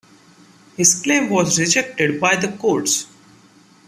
His claim was rejected by the courts.